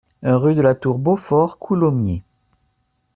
Rue de la Tour Beaufort, Coulommiers